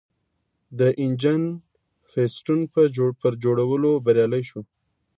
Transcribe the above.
د انجن پېسټون پر جوړولو بریالی شو.